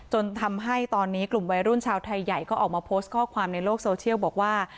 จนทำให้ตอนนี้กลุ่มวัยรุ่นชาวไทยใหญ่ก็ออกมาโพสต์ข้อความในโลกโซเชียลบอกว่า